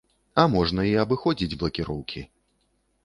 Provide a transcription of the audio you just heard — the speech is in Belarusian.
А можна і абыходзіць блакіроўкі.